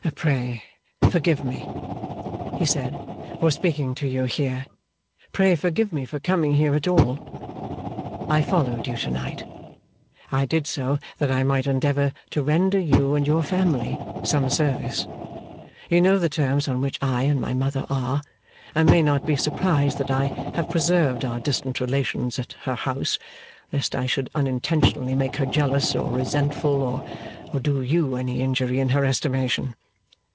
'Pray forgive me,' he said, 'for speaking to you here; pray forgive me for coming here at all! I followed you to night. I did so, that I might endeavour to render you and your family some service. You know the terms on which I and my mother are, and may not be surprised that I have preserved our distant relations at her house, lest I should unintentionally make her jealous, or resentful, or do you any injury in her estimation.